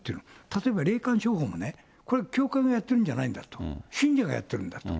例えば、霊感商法もね、これ、教会がやってるんじゃないんだと、信者がやってるんだと。